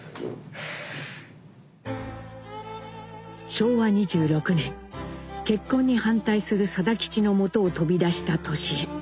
昭和２６年結婚に反対する定吉のもとを飛び出した智江。